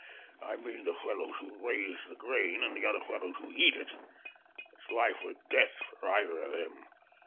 I mean the fellows who raise the grain, and the other fellows who eat it. It's life or death for either of them.